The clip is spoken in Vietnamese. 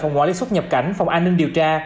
phòng quản lý xuất nhập cảnh phòng an ninh điều tra